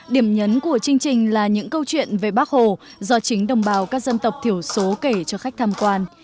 điểm nhấn của chương trình là những câu chuyện về bác hồ do chính đồng bào các dân tộc thiểu số kể cho khách tham quan